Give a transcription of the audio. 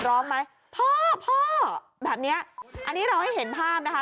ร้องไหมพ่อพ่อแบบเนี้ยอันนี้เราให้เห็นภาพนะคะ